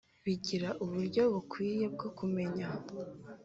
bigira uburyo bukwiye bwo kumenya